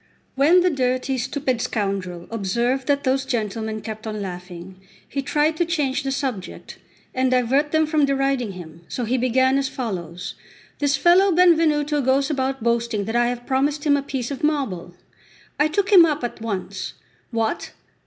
When the dirty stupid scoundrel observed that those gentlemen kept on laughing, he tried to change the subject, and divert them from deriding him; so he began as follows: "This fellow Benvenuto goes about boasting that I have promised him a piece of marble." I took him up at once. "What!